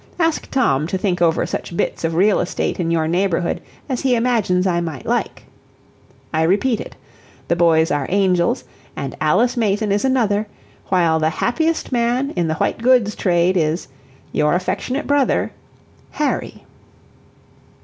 Ask Tom to think over such bits of real estate in your neighborhood as he imagines I might like. "I repeat it, the boys are angels, and Alice Mayton is another, while the happiest man in the white goods trade is "Your affectionate brother "HARRY."